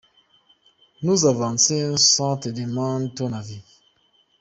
Nous, on avance sans te demander ton avis.